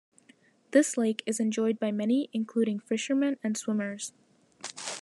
This lake is enjoyed by many including fishermen and swimmers.